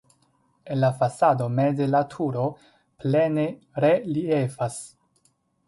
En la fasado meze la turo plene reliefas.